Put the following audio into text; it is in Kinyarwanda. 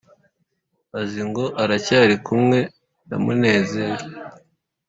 azi ngo aracyari kumwe na Munezero.